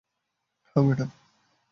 হ্যাঁ, ম্যাডাম।